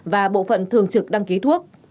và bộ phận thường trực đăng ký thuốc